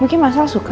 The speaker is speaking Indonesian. mungkin mas al suka